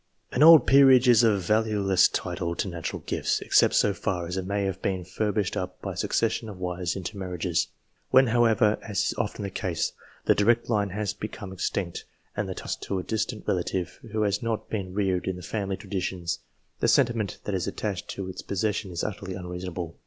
An old peerage is a valueless title to natural gifts, except so far as it may have been furbished up by a succession of wise inter marriages. When, however, as is often the case, the direct line has become extinct and the title has passed to a distant relative, who had not been reared in the family traditions, the sentiment that is attached to its possession is utterly unreasonable.